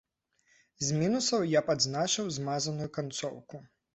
З мінусаў я б адзначыў змазаную канцоўку.